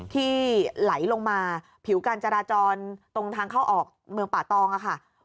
ที่ไหลลงมาผิวการจราจรตรงทางเข้าออกเมืองป่าตองค่ะ